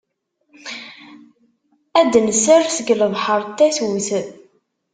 Ad d-tenser seg lebḥer n tatut.